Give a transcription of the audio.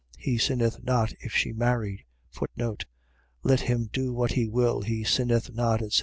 He sinneth not if she marry. Let him do what he will; he sinneth not, etc.